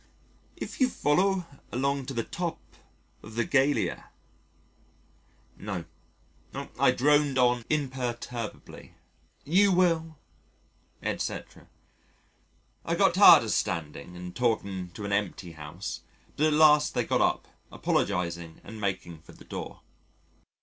"If you follow along to the top of the galea," No. I droned on imperturbably, "you will...." etc. I got tired of standing and talking to an empty house but at last they got up, apologising and making for the door.